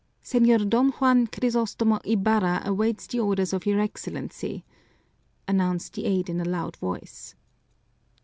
"Señor Don Juan Crisostomo Ibarra awaits the orders of your Excellency!" announced the aide in a loud voice.